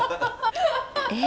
え？